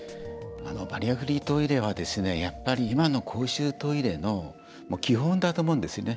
バリアフリートイレはやっぱり、今の公衆トイレの基本だと思うんですよね。